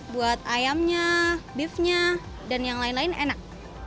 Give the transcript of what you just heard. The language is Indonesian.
buat ayamnya beefnya dan yang lain lain enak